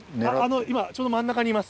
今ちょうど真ん中にいます。